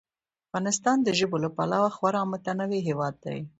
افغانستان د ژبو له پلوه خورا متنوع هېواد دی.